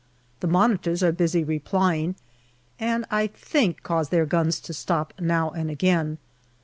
The Monitors are busily replying, and I think cause their guns to stop now and again.